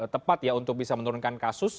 tepat ya untuk bisa menurunkan kasus